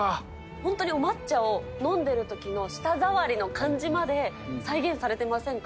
本当にお抹茶を飲んでるときの舌触りの感じまで再現されてませんか。